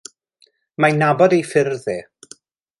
Mae'n nabod ei ffyrdd e.